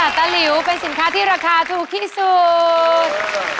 เก่งมากค่ะตะลิวเป็นสินค้าที่ราคาถูกที่สุด